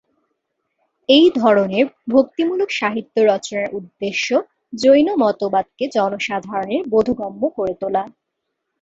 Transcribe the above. এই ধরনের ভক্তিমূলক সাহিত্য রচনার উদ্দেশ্য জৈন মতবাদকে জনসাধারণের বোধগম্য করে তোলা।